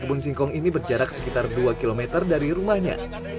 kebun singkong ini berjarak sekitar dua km dari rumahnya